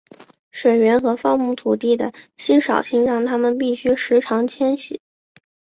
水源和放牧土地的稀少性让他们必须时常迁徙。